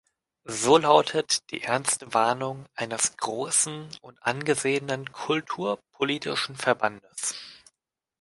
So lautet die ernste Warnung eines großen und angesehenen kulturpolitischen Verbandes.